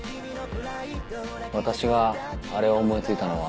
私があれを思い付いたのは。